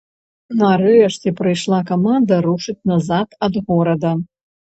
Нарэшце прыйшла каманда рушыць назад ад горада.